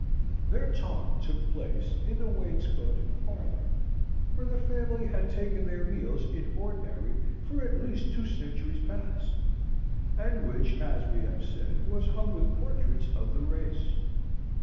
Their talk took place in the wainscoted parlour, where the family had taken their meals in ordinary for at least two centuries past, and which, as we have said, was hung with portraits of the race.